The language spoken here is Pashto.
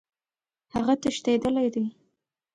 هغه تښتېدلی دی.